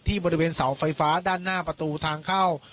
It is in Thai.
บริเวณเสาไฟฟ้าด้านหน้าประตูทางเข้า